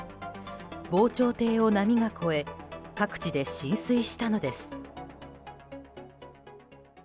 防潮堤を波が越え各地で浸水したのです。